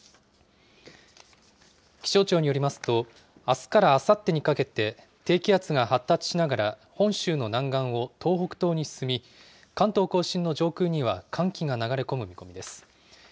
気象庁によりますと、あすからあさってにかけて、低気圧が発達しながら本州の南岸を東北東に進み、関東甲信の上空には寒気が流れ込む見込みです。